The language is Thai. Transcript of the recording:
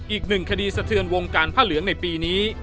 อีกหนึ่งคดีสะเทือนวงการผ้าเหลืองในปีนี้